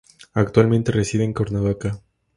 Actualmente reside en Cuernavaca.